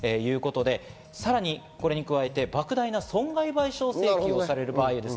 さらにこれに加えて莫大な損害賠償請求もされる場合がある。